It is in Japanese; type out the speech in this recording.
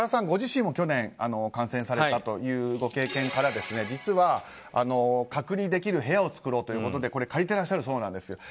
ご自身も去年感染されたというご経験から実は、隔離できる部屋を作ろうということで借りていらっしゃるそうです。